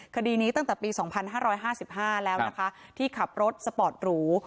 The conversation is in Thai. คดีนี้ตั้งแต่ปี๒๕๕๕แล้วนะคะที่ขับรถสปอร์ตหรู